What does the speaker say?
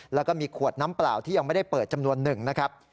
แล้วก็มีขวดน้ำเปล่าที่ยังไม่ได้เปิดจำนวนหนึ่งนะครับ